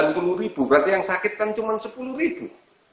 yang sudah sembuh sembilan puluh ribu berarti yang sakit kan cuma sepuluh ribu